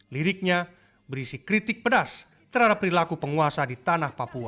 liriknya berisi kritik pedas terhadap perilaku penguasa di tanah papua